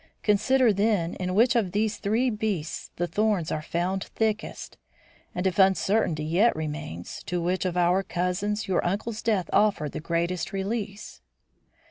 Consider, then, in which of these three breasts the thorns are found thickest; and, if uncertainty yet remains, to which of your cousins your uncle's death offered the greatest release."